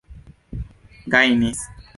gajnis